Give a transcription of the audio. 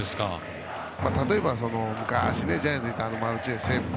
例えば、昔、ジャイアンツにいたマルチネス。